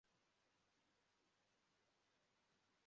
Umuntu atwara igare rye mumucanga kuruhande rwinyanja